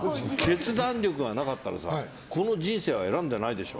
決断力がなかったらこの人生は選んでないでしょ。